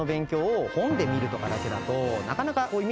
なかなか。